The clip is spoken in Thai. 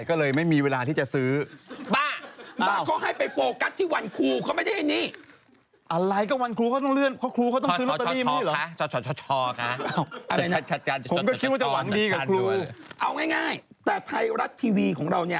ก็เลยไม่มีเวลาที่จะซื้อบ้าบ้าเขาให้ไปโฟกัสที่วันครูเขาไม่ได้เห็นนี้